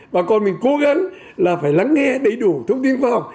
bà con mình cố gắng là phải lắng nghe đầy đủ thông tin khoa học